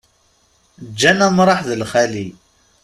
Ǧǧan amṛaḥ d lxali.